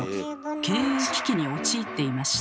経営危機に陥っていました。